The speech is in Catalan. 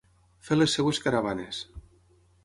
Fer les seves caravanes.